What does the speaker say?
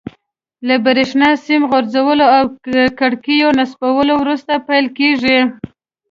له بریښنا سیم غځولو او کړکیو نصبولو وروسته پیل کیږي.